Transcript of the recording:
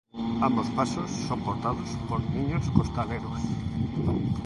Ambos pasos son portados por niños costaleros.